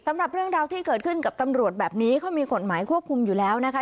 สำหรับเรื่องราวที่เกิดขึ้นกับตำรวจแบบนี้เขามีกฎหมายควบคุมอยู่แล้วนะคะ